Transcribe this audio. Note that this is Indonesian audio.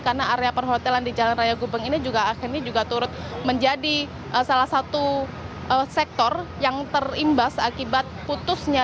karena area perhotelan di jalan raya gubeng ini juga akhirnya juga turut menjadi salah satu sektor yang terimbas akibat putusnya